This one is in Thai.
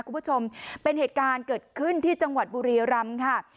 คุณผู้ชมเป็นเหตุการณ์เกิดขึ้นที่จังหวัดบุรีรำค่ะ